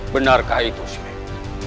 benarkah itu smeh